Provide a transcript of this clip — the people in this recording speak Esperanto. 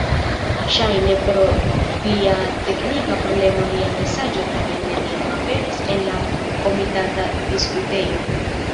Ŝajne pro plia teknika problemo lia mesaĝo tamen neniam aperis en la komitata diskutejo.